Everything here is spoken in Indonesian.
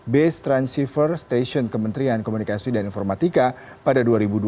base transceiver station kementerian komunikasi dan informatika pada dua ribu dua puluh dua ribu dua puluh dua